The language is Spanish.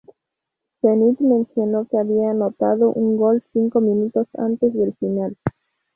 Zenit mencionó que había anotado un gol cinco minutos antes del final.